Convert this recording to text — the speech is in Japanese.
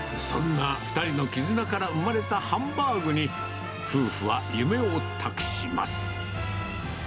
そんな２人の絆から生まれたハンバーグに、夫婦は夢を託します。